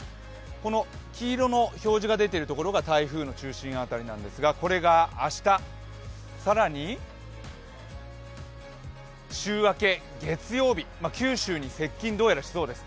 この黄色の表示が出ているところが台風の中心辺りなんですがこれが明日、更に週明け月曜日、どうやら九州に接近しそうです。